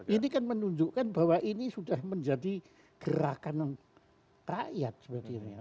ini kan menunjukkan bahwa ini sudah menjadi gerakan rakyat sebenarnya